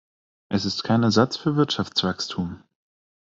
Es ist kein Ersatz für Wirtschaftswachstum.